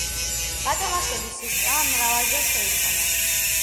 გათამაშების სისტემა მრავალჯერ შეიცვალა.